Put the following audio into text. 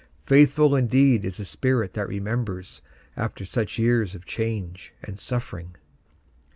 Faithful indeed is the spirit that remembers After such years of change and suffering!